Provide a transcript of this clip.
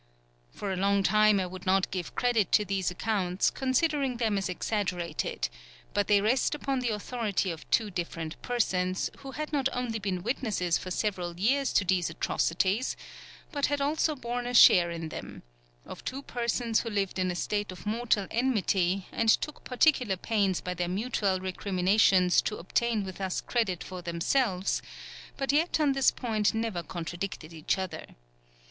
For a long time I would not give credit to these accounts, considering them as exaggerated; but they rest upon the authority of two different persons, who had not only been witnesses for several years to these atrocities, but had also borne a share in them: of two persons who lived in a state of mortal enmity, and took particular pains by their mutual recriminations to obtain with us credit for themselves, but yet on this point never contradicted each other.